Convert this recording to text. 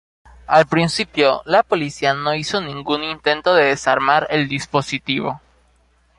Al principio, la policía no hizo ningún intento de desarmar el dispositivo.